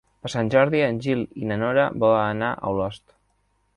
Per Sant Jordi en Gil i na Nora volen anar a Olost.